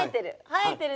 生えてる。